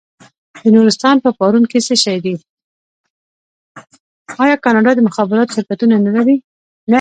آیا کاناډا د مخابراتو شرکتونه نلري؟